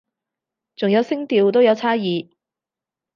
仲有聲調都有差異